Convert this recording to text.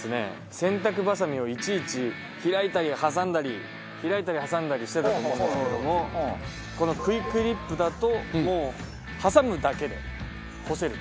洗濯ばさみをいちいち開いたり挟んだり開いたり挟んだりしてたと思うんですけどもこのクイクリップだともう挟むだけで干せると。